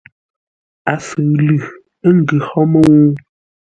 A sʉʉ lʉ, ə́ ngʉ hó mə́u?